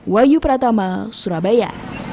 wayu pratama surabaya